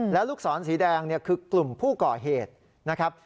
แล้วลูกศรสีแดงคือกลุ่มผู้ก่อเหตุนะครับ